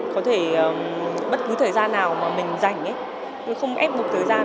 có thể bất cứ thời gian nào mà mình dành tôi không ép mục thời gian